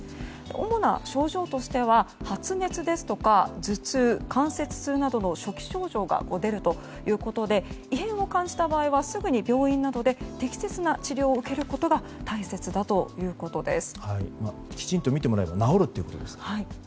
主な症状としては発熱ですとか頭痛関節痛などの初期症状が出るということで異変を感じた場合はすぐに病院などで適切な治療を受けることが大切だということです。